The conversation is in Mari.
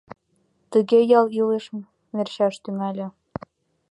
Тыге ял илыш мерчаш тӱҥале».